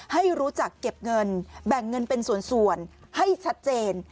ให้รู้จักเก็บเงินแบ่งเงินเป็นส่วนให้ชัดเจน